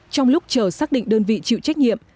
trong lúc chờ xác định đơn vị chịu trách nhiệm